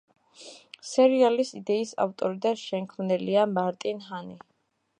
სერიალის იდეის ავტორი და შემქმნელია მარტინ ჰანი.